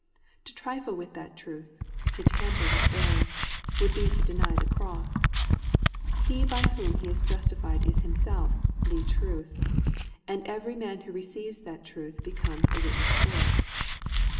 To trifle with that truth, to tamper with error, would be to deny the cross. He by whom he is justified is Himself the TRUTH, and every man who receives that truth be comes a witness for it.